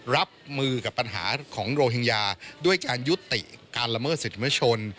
รับมือกับปัญหาของโรฮิงญาด้วยการยุติการละเมิดสิทธิมชน